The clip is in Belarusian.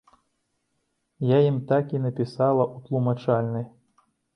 Я ім так і напісала ў тлумачальнай.